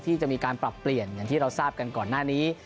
ที่จะมีการปรับเปลี่ยนอย่างที่เราทราบกันก่อนหน้านี้